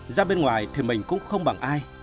ra bên ngoài thì mình cũng không bằng ai